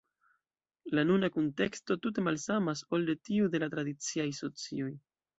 La nuna kunteksto tute malsamas ol tiu de la tradiciaj socioj.